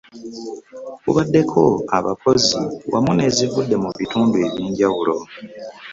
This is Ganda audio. Kubaddeko abakozi awamu n'ezivudde mu bitundu eby'enjawulo.